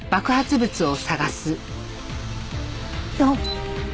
どう？